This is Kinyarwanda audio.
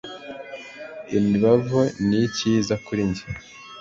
, imibavu ni ikizira kuri jye